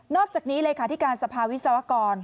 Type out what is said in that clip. นอกจากนี้เลยค่ะที่การสภาวิทยาวากร